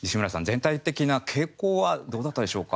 全体的な傾向はどうだったでしょうか？